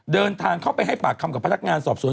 เดินทางเข้าไปให้ปากคำกับพนักงานสอบสวน